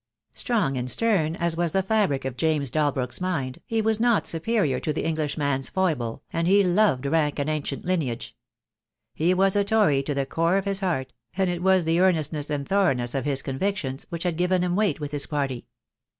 Strong and stern as was the fabric of James Dalbrook's mind, he was not superior to the Englishman's foible, and he loved rank and ancient lineage. He was a Tory to the core of his heart; and it was the earnestness and thoroughness of his convictions which had given him weight with his party.